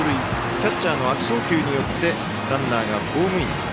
キャッチャーの悪送球によってランナーがホームイン。